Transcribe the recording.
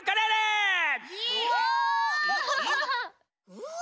うわ！